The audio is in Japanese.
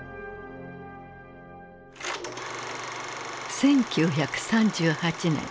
１９３８年。